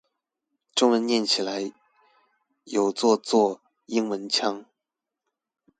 中文唸起來有做作英文腔